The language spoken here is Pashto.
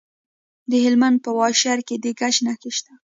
د هلمند په واشیر کې د ګچ نښې شته.